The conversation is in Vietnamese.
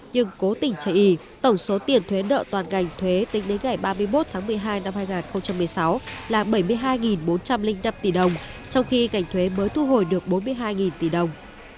nhưng cố tình chạy ý tổng số tiền thuế nợ toàn ngành thuế tính đến ngày ba mươi một tháng một mươi hai năm hai nghìn một mươi sáu là bảy mươi hai bốn trăm linh năm tỷ đồng trong khi ngành thuế mới thu hồi được bốn mươi hai tỷ đồng